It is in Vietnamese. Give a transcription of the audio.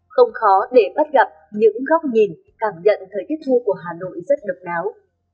không khó để bắt gặp những góc nhìn cảm nhận thời tiết thu của hà nội rất độc đáo